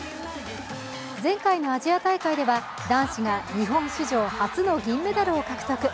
前回のアジア大会では男子が日本史上初の銀メダルを獲得。